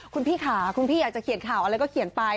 คุณพี่ค่ะคุณพี่อยากจะเขียนข่าวอะไรก็เขียนไป